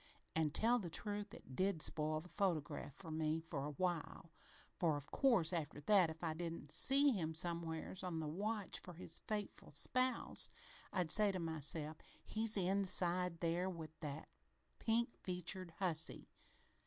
An', tell the truth, it did spoil the photograph for me for a while, for, of course, after that, if I didn't see him somewheres on the watch for his faithful spouse, I'd say to myself, 'He's inside there with that pink featured hussy!'